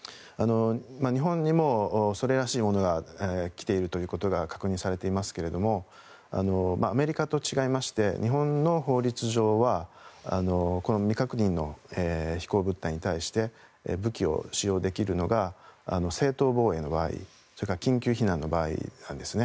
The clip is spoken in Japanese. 日本にもそれらしいものが来ていることが確認されていますがアメリカと違いまして日本の法律上は未確認の飛行物体に対して武器を使用できるのが正当防衛の場合、それから緊急避難の場合なんですね。